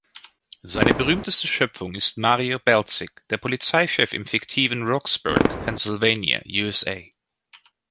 Seine berühmteste Schöpfung ist Mario Balzic, der Polizeichef im fiktiven Rocksburg, Pennsylvania, USA.